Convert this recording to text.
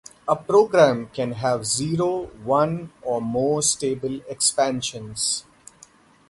A program can have zero, one or more stable expansions.